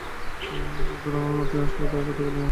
এরপর কোন প্রশ্ন মাথায় আসলে এই কথাগুলো মনে করে নিও।